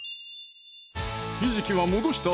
ひじきは戻した